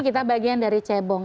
kita bagian dari cebong